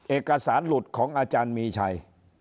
เอกสารหลุดของอาจารย์มีชัย